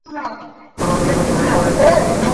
ভালবাসা জেগে উঠবে হয়তো, এই চুপ থাকার পর।